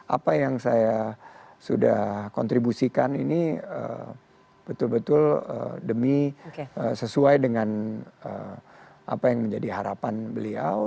apa yang saya sudah kontribusikan ini betul betul demi sesuai dengan apa yang menjadi harapan beliau